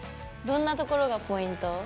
どんなところがポイント？